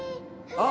あっ！